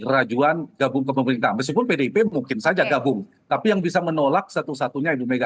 rajuan gabung ke pemerintah meskipun pdip mungkin saja gabung tapi yang bisa menolak satu satunya ibu mega